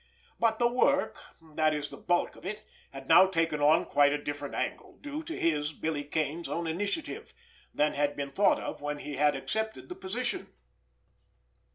But the work, that is the bulk of it, had now taken on quite a different angle, due to his, Billy Kane's own initiative, than had been thought of when he had accepted the position.